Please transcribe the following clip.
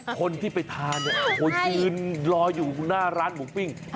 คนที่ไปทานเนี่ยเขายืนรออยู่หน้าร้านหมูปิ้ง